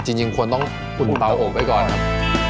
จริงควรต้องอุ่นเตาอบไว้ก่อนครับ